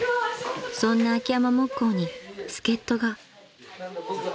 ［そんな秋山木工に助っ人が］